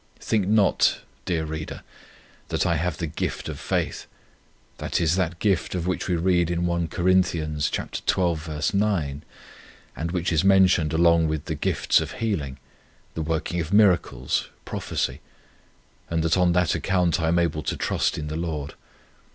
Think not, dear reader, that I have the gift of faith, that is, that gift of which we read in 1 Cor. xii. 9, and which is mentioned along with 'the gifts of healing,' 'the working of miracles,' 'prophecy,' and that on that account I am able to trust in the Lord.